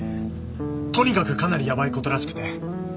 とにかくかなりやばい事らしくて。